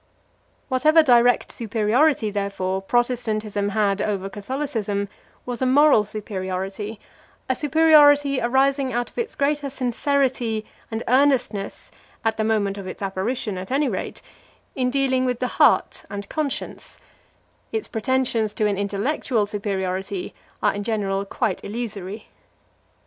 Whatever direct superiority, therefore, Protestantism had over Catholicism was a moral superiority, a superiority arising out of its greater sincerity and earnestness, at the moment of its apparition at any rate, in dealing with the heart and conscience; its pretensions to an intellectual superiority are in general quite illusory.